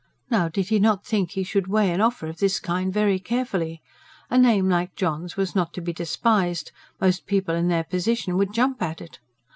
Now did he not think he should weigh an offer of this kind very carefully? A name like John's was not to be despised; most people in their position would jump at it.